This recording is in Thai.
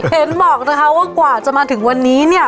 เห็นบอกนะคะว่ากว่าจะมาถึงวันนี้เนี่ย